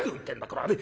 これはね